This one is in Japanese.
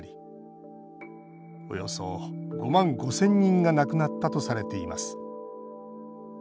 およそ５万５０００人が亡くなったとされています。